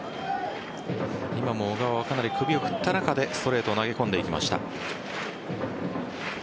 今も小川はかなり首を振った中でストレートを投げ込んでいきました。